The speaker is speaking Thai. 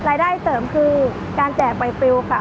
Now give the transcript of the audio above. รายได้เสริมคือการแจกใบปิวค่ะ